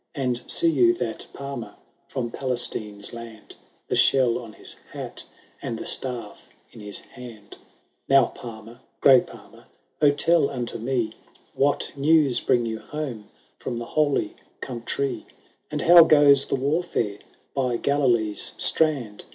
And see you that palmer, from Palestine's land, The shell on his hat, and the staff in his hand ?—" Now palmer, grey palmer, O tell unto me, "What news bring you home from the Holy Countrie? And how goes the warfare by Galilee's strand